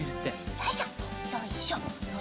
よいしょよいしょ。